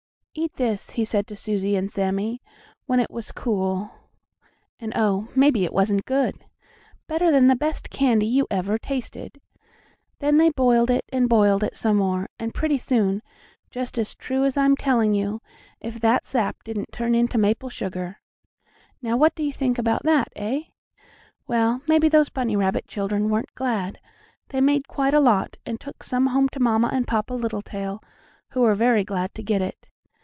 "Eat this," he said to Susie and Sammie, when it was cool; and, oh, maybe it wasn't good! Better than the best candy you ever tasted! Then they boiled it and boiled it some more, and pretty soon, just as true as I'm telling you, if that sap didn't turn into maple sugar. Now, what do you think about that, eh? Well, maybe those bunny rabbit children weren't glad. They made quite a lot, and took some home to Mamma and Papa Littletail, who were very glad to get it.